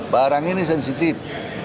barang ini sensitif